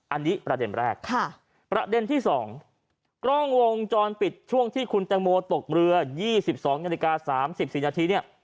อันนี้ประเด็นแรกค่ะประเด็นที่สองกล้องวงจรปิดช่วงที่คุณแต่งโมตกเรือยี่สิบสองนาฬิกาสามสิบสี่นาทีเนี้ย